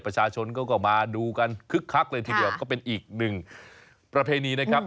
ประชาชนเขาก็มาดูกันคึกคักเลยทีเดียวก็เป็นอีกหนึ่งประเพณีนะครับ